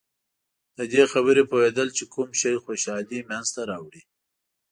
د دې خبرې پوهېدل چې کوم شی خوشحالي منځته راوړي.